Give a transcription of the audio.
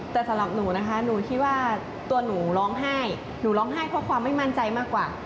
แต่สำหรับหนูนะคะหนูคิดว่าตัวหนูร้องไห้หนูร้องไห้เพราะความไม่มั่นใจมากกว่า